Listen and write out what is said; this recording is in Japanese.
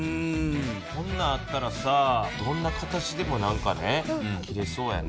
こんなんあったらさどんな形でも切れそうやね。